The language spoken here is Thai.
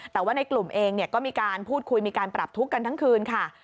แต่ว่าในกลุ่มเองก็มีการพูดคุยมีการปรับทุกข์กันทั้งคืนค่ะ